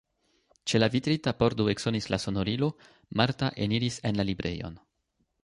Ĉe la vitrita pordo eksonis la sonorilo, Marta eniris en la librejon.